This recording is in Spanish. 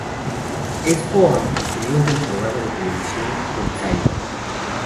Es co-anfitrión del programa de televisión "Tensai!